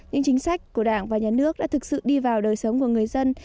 những chính sách của đảng và nhà nước đã thực sự đi vào đời sống của người dân